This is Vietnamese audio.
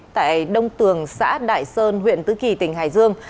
tại đông tường xã đại sơn huyện tứ kỳ tỉnh hải dương